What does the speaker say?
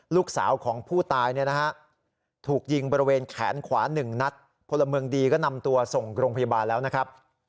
ลูกสาวของผู้ตายเนี่ยนะฮะถูกยิงบริเวณแขนขวา๑นัดพลเมืองดีก็นำตัวส่งโรงพยาบาลแล้วนะครับ